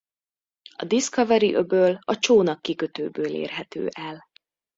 A Discovery-öböl a csónakkikötőből érhető el.